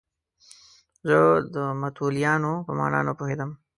زه د متولیانو په معنی نه پوهېدم.